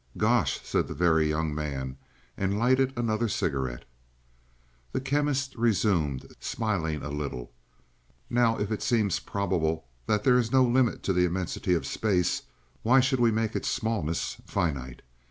"Gosh," said the Very Young Man, and lighted another cigarette. The Chemist resumed, smiling a little. "Now, if it seems probable that there is no limit to the immensity of space, why should we make its smallness finite?